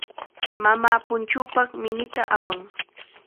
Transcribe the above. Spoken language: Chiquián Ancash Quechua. Mamaa punchuupaq minita awan.